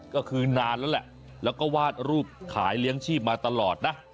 ก็คือนานแล้วแหละแล้วก็วาดรูปขายเลี้ยงชีพมาตลอดนะ